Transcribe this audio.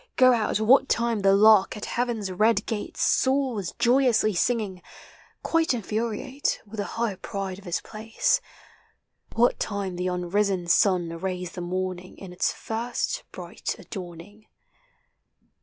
Go out what time the lark at heaven's red gate Soars joyously singing — quite infuriate With the high pride of his place; What time the unrisen sun arrays the morning In its first bright adorning.